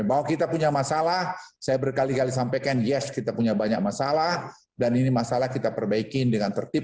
bahwa kita punya masalah saya berkali kali sampaikan yes kita punya banyak masalah dan ini masalah kita perbaikin dengan tertib